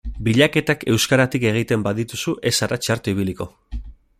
Bilaketak euskaratik egiten badituzu ez zara txarto ibiliko.